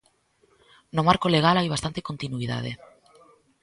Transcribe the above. No marco legal hai bastante continuidade.